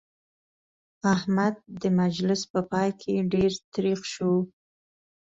احمد د مجلس په پای کې ډېر تريخ شو.